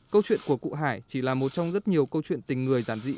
câu chuyện của cụ hải chỉ là một trong rất nhiều câu chuyện tình người giản dị